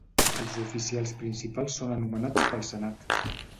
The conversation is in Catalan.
Els oficials principals són anomenats pel senat.